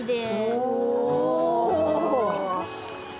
お。